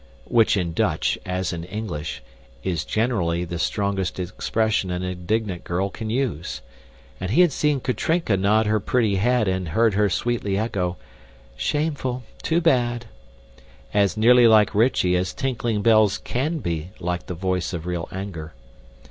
which in Dutch, as in English, is generally the strongest expression an indignant girl can use; and he had seen Katrinka nod her pretty head and heard her sweetly echo, "Shameful, too bad!" as nearly like Rychie as tinkling bells can be like the voice of real anger.